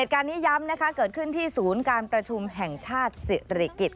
การนี้ย้ำนะคะเกิดขึ้นที่ศูนย์การประชุมแห่งชาติศิริกิจ